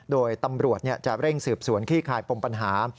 โดยตำรวจจะเร่งสืบสวนขี้คายปมปัญหา